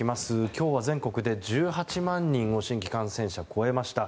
今日は、全国で１８万人を新規感染者、超えました。